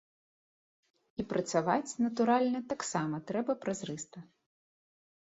І працаваць, натуральна, таксама трэба празрыста.